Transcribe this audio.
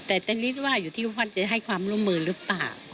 แต่แต่นิดว่าอยู่ที่ให้ความร่วมมือหรือเปล่า